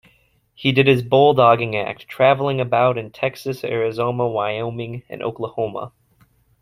He did his bulldogging act, traveling about in Texas, Arizona, Wyoming, and Oklahoma.